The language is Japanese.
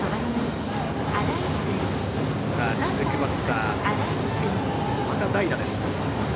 続くバッター、また代打です。